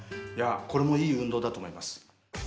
いやこれもいい運動だと思います。